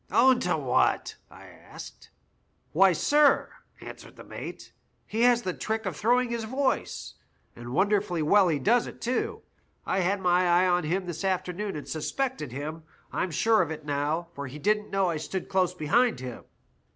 "' Own to what ?' I asked. <«* Why, sir,' answered the mate, * he has the trick of throwing his voice, and wonderfully well he does it too. I had my eye on him this afternoon and suspected him. I'm sure of it now, for he didn't know I stood close behind him.'